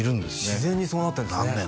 自然にそうなってるんですね